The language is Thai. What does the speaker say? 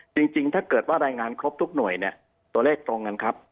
จริงถ้าเกิดว่ารายงานครบทุกหน่วยเนี่ยตัวเลขตรงกันครับ